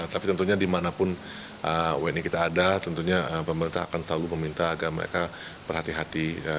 tapi tentunya dimanapun wni kita ada tentunya pemerintah akan selalu meminta agar mereka berhati hati